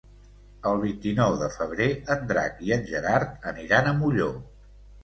El vint-i-nou de febrer en Drac i en Gerard aniran a Molló.